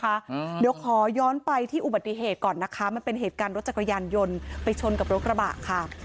เดี๋ยวขอย้อนไปที่อุบัติเหตุก่อนนะคะมันเป็นเหตุการณ์รถจักรยานยนต์ไปชนกับรถกระบะค่ะ